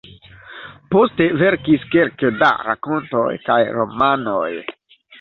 Poste verkis kelke da rakontoj kaj romanoj.